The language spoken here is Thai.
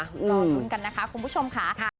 รอลุ้นกันนะคะคุณผู้ชมค่ะ